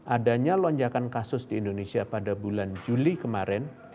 adanya lonjakan kasus di indonesia pada bulan juli kemarin